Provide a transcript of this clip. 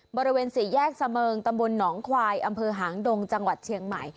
บริเวณสี่แยกเสมิงตำบลหนองควายอำเภอหางดงจังหวัดเชียงใหม่